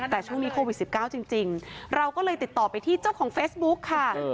แต่ช่วงนี้โควิด๑๙จริงเราก็เลยติดต่อไปที่เจ้าของเฟซบุ๊กค่ะ